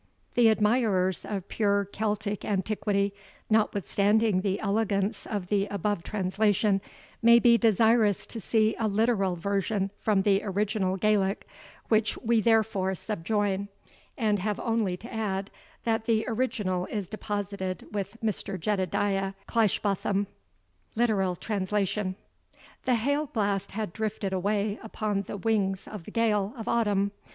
The admirers of pure Celtic antiquity, notwithstanding the elegance of the above translation, may be desirous to see a literal version from the original Gaelic, which we therefore subjoin; and have only to add, that the original is deposited with Mr. Jedediah Cleishbotham. LITERAL TRANSLATION. The hail blast had drifted away upon the wings of the gale of autumn.